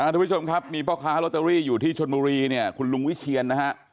ทุกผู้ชมครับมีพ่อค้าลอตเตอรี่อยู่ที่ชนบุรีเนี่ยคุณลุงวิเชียนนะฮะ